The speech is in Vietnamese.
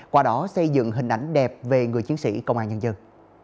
qua đó xây dựng hình ảnh đẹp về người chiến sĩ công an nhân dân